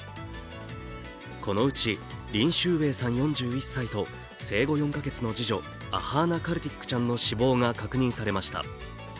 このうちリン・シューウエイさん４１歳と生後４か月の次女、アハーナ・カルティックちゃんの死亡が確認されました。